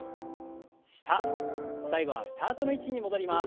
下最後はスタートの位置に戻ります。